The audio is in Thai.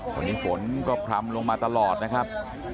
ตอนนี้ฝนก็พร่ำลงมาตลอดนะครับ